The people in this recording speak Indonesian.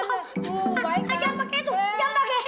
jangan pake itu